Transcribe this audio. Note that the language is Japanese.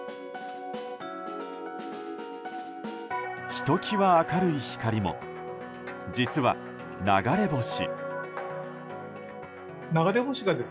ひときわ明るい光も実は、流れ星。